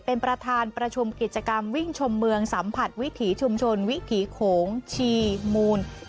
เป็นประธานประชุมกิจกรรมวิ่งชมเมืองสัมผัสวิถีชุมชนวิถีโขงชีมูล